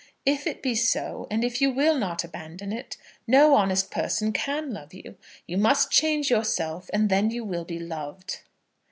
"If it be so, and if you will not abandon it, no honest person can love you. You must change yourself, and then you will be loved."